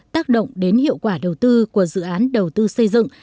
tác động đến hiệu quả đầu tư của dự án đầu tư xây dựng